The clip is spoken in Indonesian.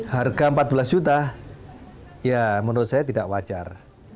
harga empat belas juta ya menurut saya tidak wajar